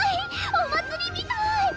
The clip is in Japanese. お祭りみたい